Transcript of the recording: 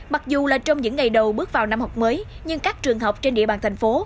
mặc dù là trong những ngày đầu bước vào năm học mới nhưng các trường học trên địa bàn thành phố